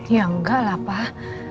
ya enggak lah pak